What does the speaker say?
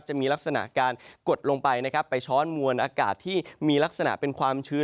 จะมีลักษณะการกดลงไปนะครับไปช้อนมวลอากาศที่มีลักษณะเป็นความชื้น